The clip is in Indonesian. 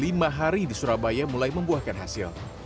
lima hari di surabaya mulai membuahkan hasil